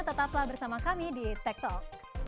tetaplah bersama kami di tech talk